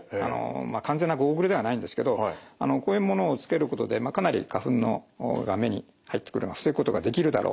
完全なゴーグルではないんですけどこういうものをつけることでかなり花粉が目に入ってくるのを防ぐことができるだろう。